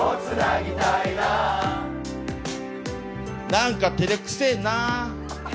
何か照れくせえな。